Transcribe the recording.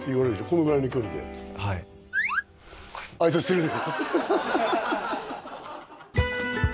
このぐらいの距離ではいあいさつするんだ